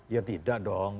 ya tidak dong